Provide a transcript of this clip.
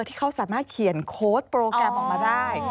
ที่เขาสามารถเขียนโค้ดโปรแกรมออกมาได้